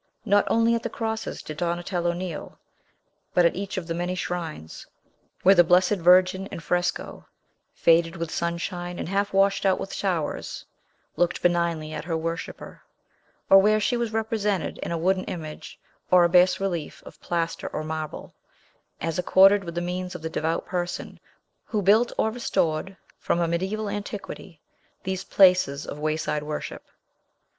Not only at the crosses did Donatello kneel, but at each of the many shrines, where the Blessed Virgin in fresco faded with sunshine and half washed out with showers looked benignly at her worshipper; or where she was represented in a wooden image, or a bas relief of plaster or marble, as accorded with the means of the devout person who built, or restored from a mediaeval antiquity, these places of wayside worship.